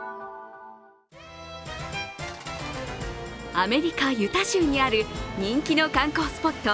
アメリカ・ユタ州にある人気の観光スポット